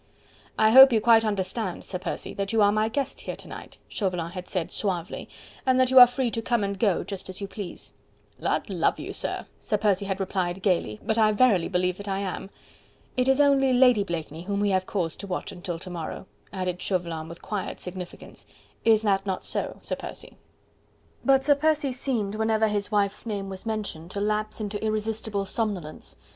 "I hope you quite understand, Sir Percy, that you are my guest here to night," Chauvelin had said suavely, "and that you are free to come and go, just as you please." "Lud love you, sir," Sir Percy had replied gaily, "but I verily believe that I am." "It is only Lady Blakeney whom we have cause to watch until to morrow," added Chauvelin with quiet significance. "Is that not so, Sir Percy?" But Sir Percy seemed, whenever his wife's name was mentioned, to lapse into irresistible somnolence.